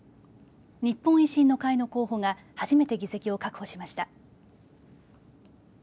日本維新の会の候補が初めて議席を確保しました。